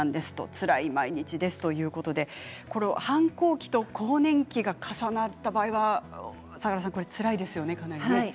つらい毎日です、ということで反抗期と更年期が重なった場合はつらいですよね。